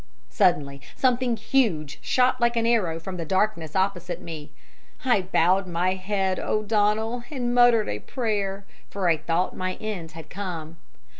"Suddenly something huge shot like an arrow from the darkness opposite me. I bowed my head, O'Donnell, and muttered a prayer, for I thought my end had come.